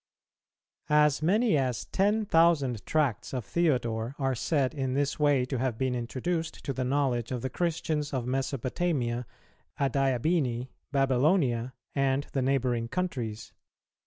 As many as ten thousand tracts of Theodore are said in this way to have been introduced to the knowledge of the Christians of Mesopotamia, Adiabene, Babylonia, and the neighbouring countries.